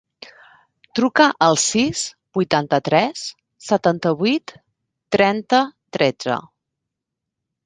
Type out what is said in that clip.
Truca al sis, vuitanta-tres, setanta-vuit, trenta, tretze.